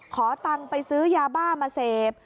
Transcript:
ขอตังค์ไปซื้อยาบ้ามาเสพ